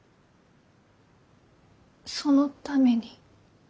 そのために。